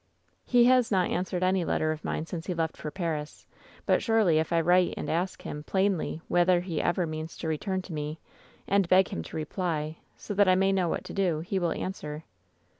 " 'He has not answered any letter of mine since he left for Paris. But, surely, if I write and ask him, plainly, whether he ever means to return to me, and beg him to reply, so that I may know what to do, he will answer.'